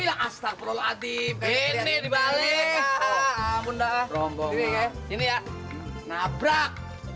duduk duduk duduk